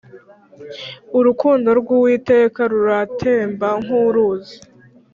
Urukundo rw'Uwiteka ruratemba nk'uruzi